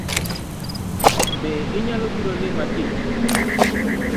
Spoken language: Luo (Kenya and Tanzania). Be inyalobiro lima kiny?